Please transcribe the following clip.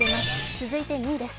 続いて２位です。